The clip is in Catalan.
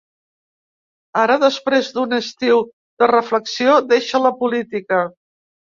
Ara, després d’un estiu de reflexió, deixa la política.